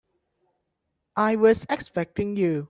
I was expecting you.